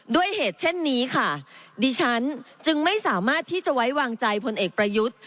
ด้วยเหตุเช่นนี้ค่ะดิฉันจึงไม่สามารถที่จะไว้วางใจพลเอกประยุทธ์